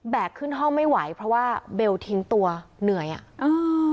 ขึ้นห้องไม่ไหวเพราะว่าเบลทิ้งตัวเหนื่อยอ่ะอ่า